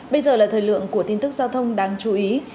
bây giờ là thời lượng của tin tức giao thông đáng chú ý